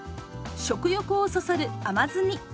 食欲をそそる甘酢煮。